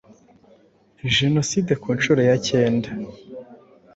jenoside ku nshuro yacyenda